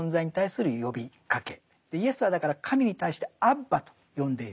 イエスはだから神に対してアッバと呼んでいる。